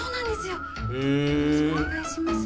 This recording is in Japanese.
よろしくお願いします。